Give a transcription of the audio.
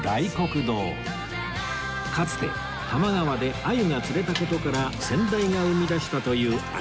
かつて多摩川で鮎が釣れた事から先代が生み出したという鮎